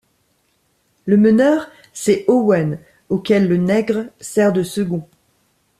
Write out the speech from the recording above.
Le meneur, c’est Owen, auquel le nègre sert de second.